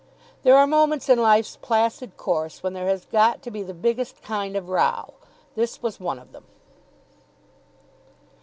There are moments in life's placid course when there has got to be the biggest kind of row. This was one of them.